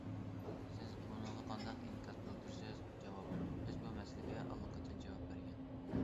سىز بۇنىڭغا قانداق ئىنكاس بىلدۈرىسىز؟ جاۋاب: بىز بۇ مەسىلىگە ئاللىقاچان جاۋاب بەرگەن.